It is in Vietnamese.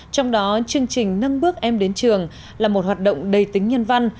trong đó chương trình nâng bước em đến trường là một hoạt động đầy tính nhân văn